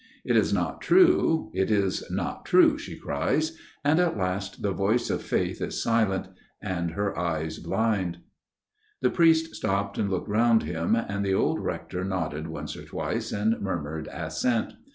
It is not true, it is not true, she cries ; and at last the voice of faith is silent, and her eyes blind." The priest stopped and looked round him, and the old Rector nodded once or twice and murmured assent.